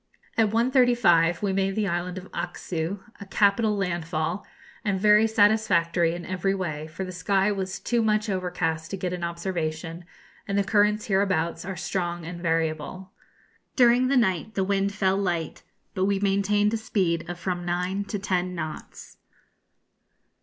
At 1.35 we made the island of Ockseu, a capital land fall, and very satisfactory in every way; for the sky was too much overcast to get an observation, and the currents hereabouts are strong and variable. During the night the wind fell light, but we maintained a speed of from nine to ten knots.